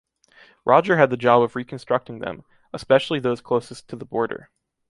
Roger had the job of reconstructing them, especially those closest to the border.